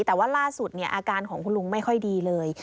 แต่ว่าล่าสุดอาการของคุณลุงไม่ค่อยดีเลย